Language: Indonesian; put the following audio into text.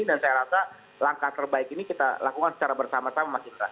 dan saya rasa langkah terbaik ini kita lakukan secara bersama sama mas indra